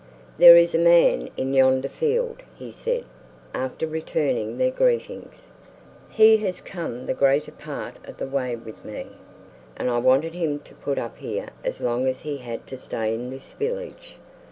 "There is a man in yonder field," he said, after returning their greetings. "He has come the greater part of the way with me, and I wanted him to put up here as long as he had to stay in this village.